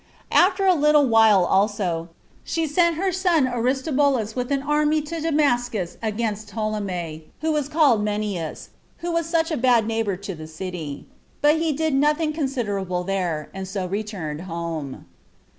After a little while also, she sent her son Aristobulus with an army to Damascus against Ptolemy, who was called Menneus, who was such a bad neighbor to the city; but he did nothing considerable there, and so returned home.